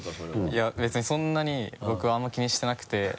いや別にそんなに僕はあんまり気にしてなくて。